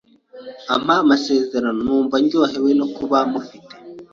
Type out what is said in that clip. ampa amasezerano numva ndyohewe no kuba mufite,